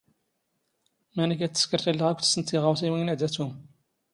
ⵎⴰⵏⵉⴽ ⴰⴷ ⵜⵙⴽⵔⵜ ⴰⵢⵍⵍⵉⵖ ⴰⴽⴽⵯ ⵜⵙⵙⵏⵜ ⵜⵉⵖⴰⵡⵙⵉⵡⵉⵏ ⴰⴷ ⴰ ⵜⵓⵎ.